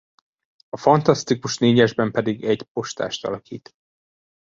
A Fantasztikus Négyesben pedig egy postást alakít.